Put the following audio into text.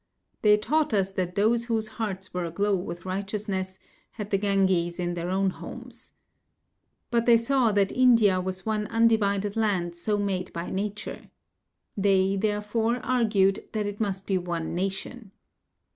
They taught us that those whose hearts were aglow with righteousness had the Ganges in their own homes. But they saw that India was one undivided land so made by nature. They, therefore, argued that it must be one nation.